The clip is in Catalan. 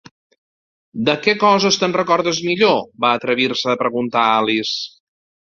"De què coses t'en recordes millor?" va atrevir-se a preguntar Alice.